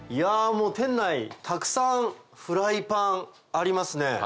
もう店内たくさんフライパンありますね。